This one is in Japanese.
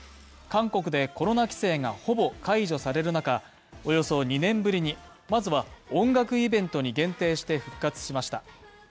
韓国でコロナ規制がほぼ解除される中、およそ２年ぶりに、まずは音楽イベントに限定して復活しました。